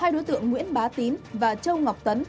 hai đối tượng nguyễn bá tín và châu ngọc tấn